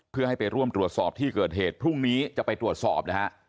เพื่อให้ไปร่วมตรวจสอบที่เกิดเหตุพรุ่งนี้จะไปตรวจสอบนะฮะ